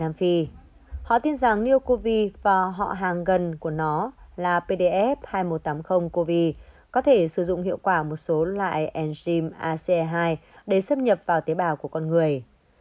ở nam phi họ tin rằng neocov và họ hàng gần của nó là pdf hai nghìn một trăm tám mươi cov có thể sử dụng hiệu quả một số loại enzyme ace hai để xâm nhập vào tế bào của con người